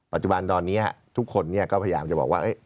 ปัจจุบันตอนนี้ทุกคนก็พยายามจะบอกว่า